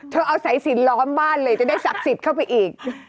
เธอเอาสายสีล้อมบ้านเลยจะได้สับสิทธิ์เข้าไปอีก